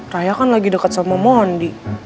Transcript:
raya kan lagi dekat sama mondi